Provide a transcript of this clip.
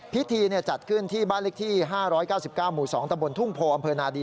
พิธีจัดขึ้นที่บ้านเลขที่๕๙๙หมู่๒ตะบนทุ่งโพอำเภอนาดี